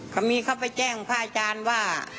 ก็มีเขาไปแจ้งพระอาจารย์ว่า